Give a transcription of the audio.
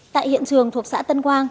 tại hiện trường thuộc xã tân quang